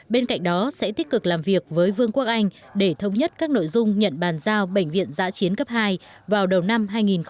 bên cạnh đó sẽ tích cực làm việc với vương quốc anh để thống nhất các nội dung nhận bàn giao bệnh viện giã chiến cấp hai vào đầu năm hai nghìn hai mươi